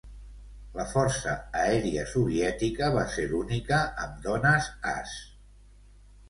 La força aèria soviètica va ser l'única amb dones as.